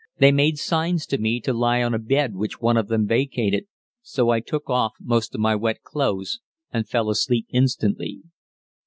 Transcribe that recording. They made signs to me to lie on a bed which one of them vacated, so I took off most of my wet clothes and fell asleep instantly.